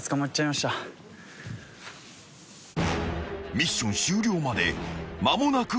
［ミッション終了まで間もなく６分］